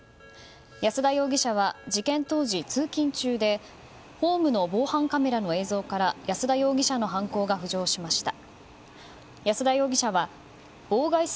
保田容疑者は事件当時通勤中でホームの防犯カメラの映像から保田容疑者の犯行が浮上しました。